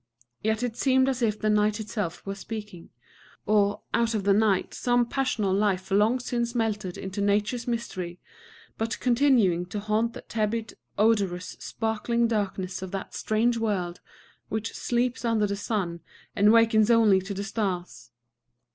Yet it seemed as if the night itself were speaking, or, out of the night some passional life long since melted into Nature's mystery, but continuing to haunt the tepid, odorous, sparkling darkness of that strange world, which sleeps under the sun, and wakens only to the stars.